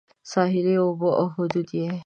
ساحلي اوبه او حدود یې